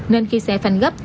nên khi xe phanh gấp